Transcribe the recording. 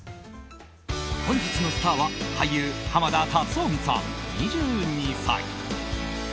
本日のスターは俳優・濱田龍臣さん、２２歳。